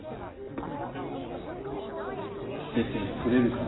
出てくれるかな？